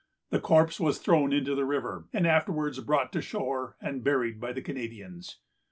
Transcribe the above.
The corpse was thrown into the river, and afterwards brought to shore and buried by the Canadians.